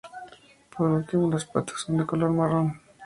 Por último, las patas son de color marrón.